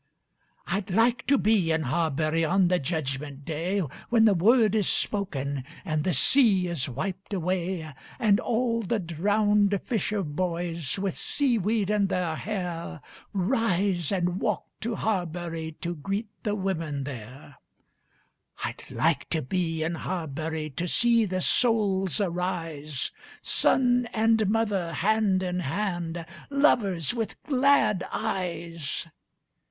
"I'd like to be in Harbury on the Judgment Day, When the word is spoken and the sea is wiped away,"And all the drowned fisher boys, with sea weed in their hair, Rise and walk to Harbury to greet the women there."I'd like to be in Harbury to see the souls arise, Son and mother hand in hand, lovers with glad eyes.